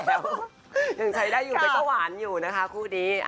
แต่ยังใช้ได้อยู่มันก็หวานอยู่นะคะคู่นี้